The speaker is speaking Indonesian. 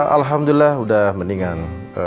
alhamdulillah udah mendingan